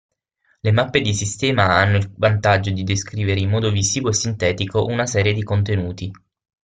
Le mappe di sistema hanno il vantaggio di descrivere in modo visivo e sintetico una serie di contenuti.